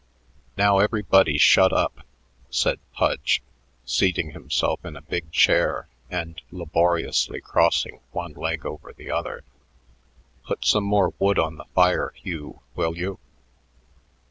"Now everybody shut up," said Pudge, seating himself in a big chair and laboriously crossing one leg over the other. "Put some more wood on the fire, Hugh, will you?"